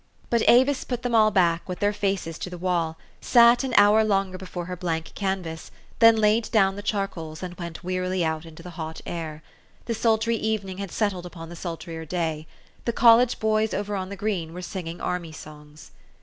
But Avis put them all back with their faces to the wall, sat an hour longer before her blank canvas, then laid down the charcoals, and went wearily out into the hot air. The sultry evening had settled upon the sultrier day. The college boys over on the green were singing army songs.